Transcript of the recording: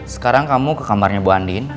sekarang kamu ke kamarnya bu andin